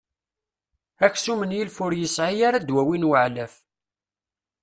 Aksum n yilef ur yesεi ara ddwawi n weεlaf.